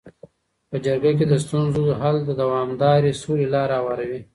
په جرګه کي د ستونزو حل د دوامداري سولي لاره هواروي.